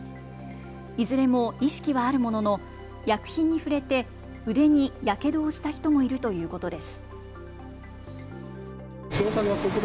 いずれも意識はあるものの、薬品に触れて腕にやけどをした人もいるということです。